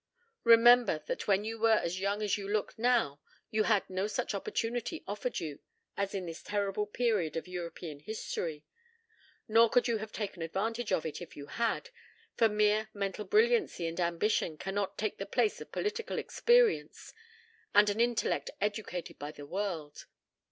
Remember, that when you were as young as you look now you had no such opportunity offered you as in this terrible period of European history. Nor could you have taken advantage of it if you had, for mere mental brilliancy and ambition cannot take the place of political experience and an intellect educated by the world.